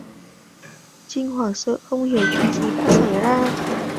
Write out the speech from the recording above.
Chinh hoảng sợ không hiểu chuyện gì đang xảy ra